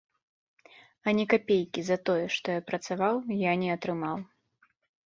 Ані капейкі за тое, што я працаваў, я не атрымаў.